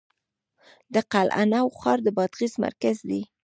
د قلعه نو ښار د بادغیس مرکز دی